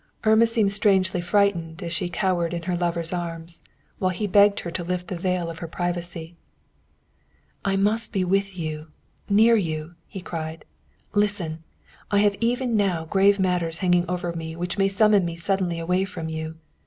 Irma seemed strangely frightened as she cowered in her lover's arms, while he begged her to lift the veil of her privacy. "I must be with you near you," he cried. "Listen! I have even now grave matters hanging over me which may summon me suddenly away from you.